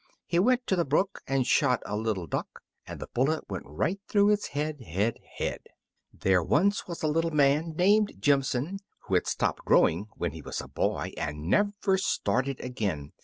He went to the brook and shot a little duck, And the bullet went right through its head, head, head. THERE was once a little man named Jimson, who had stopped growing when he was a boy, and never started again.